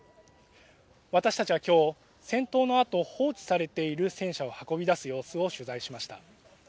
私たちは、きょう戦闘のあと放置されている戦車を運び出す様子を取材しました。